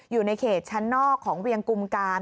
อยู่ในเขตชั้นนอกของเวียงกุมการ